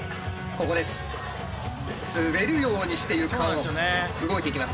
滑るようにして床を動いていきます。